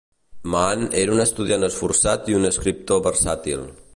Mann era un estudiant esforçat i un escriptor versàtil.